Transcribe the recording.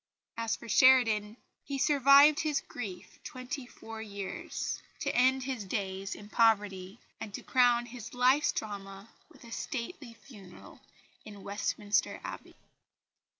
As for Sheridan he survived his grief twenty four years, to end his days in poverty, and to crown his life's drama with a stately funeral in Westminster Abbey.